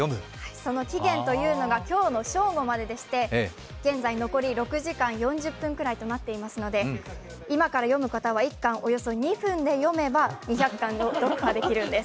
その期限が今日正午まででして、残り６時間４０分くらいとなっていますので今から読む方は１巻およそ２分で読めば２００巻を読破できるんです。